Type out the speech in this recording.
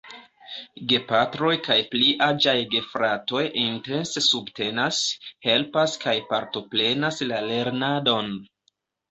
Gepatroj kaj pli aĝaj gefratoj intense subtenas, helpas kaj partoprenas la lernadon.